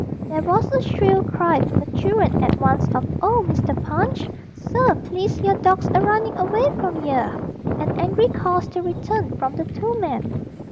There was a shrill cry from the children at once of 'Oh, Mr. Punch, sir, please your dawg's a runnin' away from yer!' and angry calls to return from the two men.